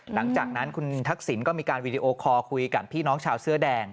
หลังจากนั้นคุณทักษิณก็มีการวีดีโอคอลคุยกับพี่น้องชาวเสื้อแดง